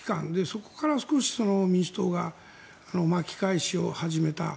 そこから少し、民主党が巻き返しを始めた。